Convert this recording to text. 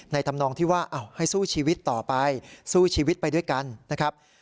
ทำนองที่ว่าให้สู้ชีวิตต่อไปสู้ชีวิตไปด้วยกันนะครับ